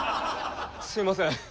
すいません。